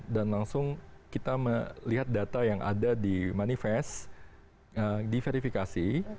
dan langsung kita melihat data yang ada di manifest di verifikasi